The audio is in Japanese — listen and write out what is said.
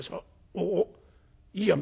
おおいいあん